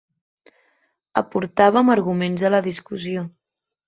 Aportàvem arguments a la discussió.